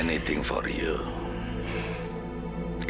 apa saja untukmu